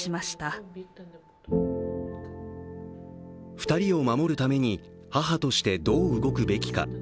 ２人を守るために母としてどう動くべきか。